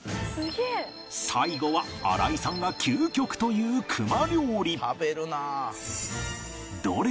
最後は荒井さんが究極と言う熊料理